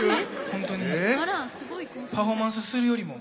本当にパフォーマンスするよりも。